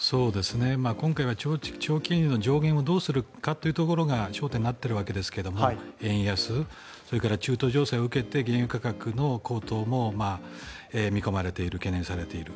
今回は長期金利の上限をどうするかというところが焦点になっているわけですが円安、それから中東情勢を受けて原油価格の高騰も見込まれている懸念されている。